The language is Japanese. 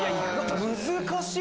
難しい！